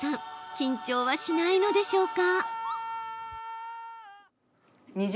緊張はしないのでしょうか？